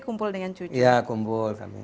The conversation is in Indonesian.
kumpul dengan cucu